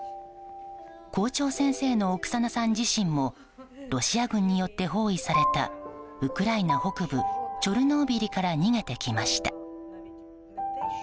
校長先生のオクサナさん自身もロシア軍によって包囲されたウクライナ北部チョルノービリから逃げてきました。